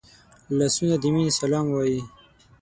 لاسونه د مینې سلام وايي